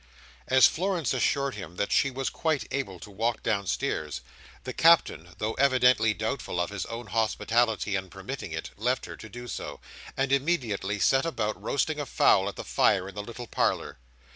As Florence assured him that she was quite able to walk downstairs, the Captain, though evidently doubtful of his own hospitality in permitting it, left her to do so, and immediately set about roasting a fowl at the fire in the little parlour.